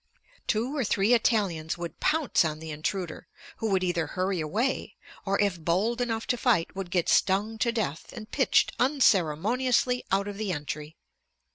Two or three Italians would pounce on the intruder, who would either hurry away or, if bold enough to fight, would get stung to death and pitched unceremoniously out of the entry.